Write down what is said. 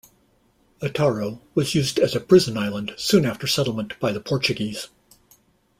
Atauro was used as a prison island soon after settlement by the Portuguese.